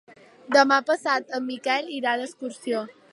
Demà passat en Miquel irà d'excursió.